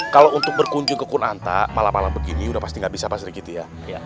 kalau untuk berkunjung ke kunanta malam malam begini udah pasti gak bisa pas sedikit ya